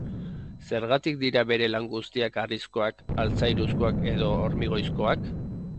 Zergatik dira bere lan guztiak harrizkoak, altzairuzkoak edo hormigoizkoak?